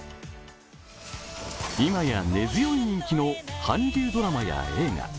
今や根強い人気の韓流ドラマや映画。